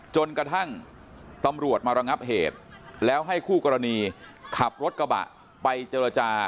จนกระทั่งตำรวจมาระงับเหตุแล้วให้คู่กรณีขับรถกระบะไปเจรจา